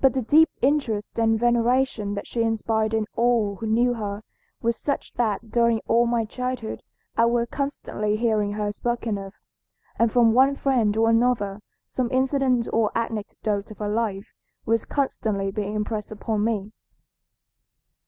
But the deep interest and veneration that she inspired in all who knew her were such that during all my childhood I was constantly hearing her spoken of, and from one friend or another some incident or anecdote of her life was constantly being impressed upon me.